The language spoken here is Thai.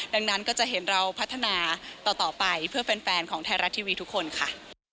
ดังนั้นก็จะเห็นเราพัฒนาต่อไปเพื่อแฟนของไทยรัฐทีวีทุกคนค่ะ